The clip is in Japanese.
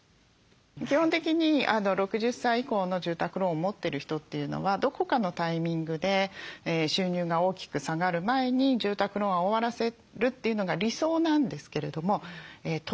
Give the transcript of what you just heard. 基本的に６０歳以降の住宅ローンを持ってる人というのはどこかのタイミングで収入が大きく下がる前に住宅ローンは終わらせるというのが理想なんですけれども時と場合による。